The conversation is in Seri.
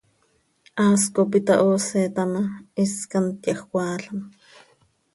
Haas cop itahooseta ma, is quih hant yahjcoaalam.